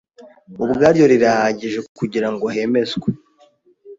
ubwaryo rirahagije kugira ngo hemezwe